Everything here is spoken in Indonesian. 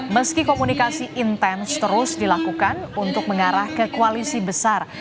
meski komunikasi intens terus dilakukan untuk mengarah ke koalisi besar